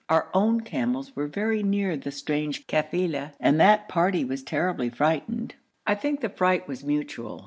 Our own camels were very near the strange kafila, and that party was terribly frightened. I think the fright was mutual.